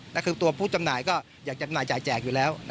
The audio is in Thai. ก็คือตัวผู้จำหน่ายก็อยากจำหน่ายจ่ายแจกอยู่แล้ว